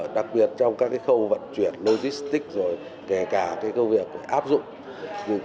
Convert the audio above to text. đặc biệt trong các khâu vận chuyển logistic rồi kể cả công việc áp dụng